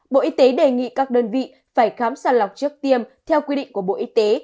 bộ y tế đề nghị các đơn vị phải khám sàng lọc trước tiêm theo quy định của bộ y tế